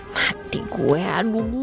mati gue aduh